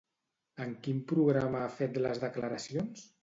En quin programa ha fet les declaracions?